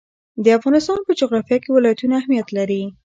د افغانستان په جغرافیه کې ولایتونه اهمیت لري.